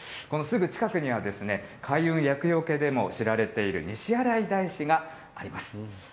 このすぐ近くにはですね、開運、厄よけでも知られている西新井大師があります。